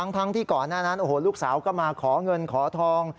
ทั้งที่ก่อนหน้านั้นโอ้โหลูกสาวก็มาขอเงินขอทอง